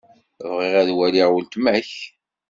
Bɣiɣ ad waliɣ weltma-k.